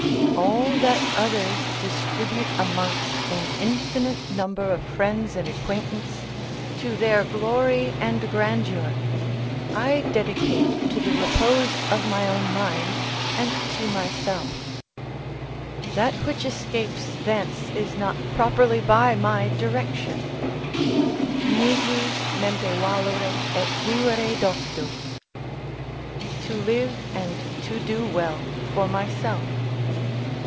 All that others distribute amongst an infinite number of friends and acquaintance, to their glory and grandeur, I dedicate to the repose of my own mind and to myself; that which escapes thence is not properly by my direction: "Mihi nempe valere et vivere doctus." ["To live and to do well for myself."